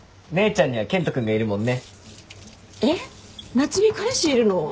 夏海彼氏いるの？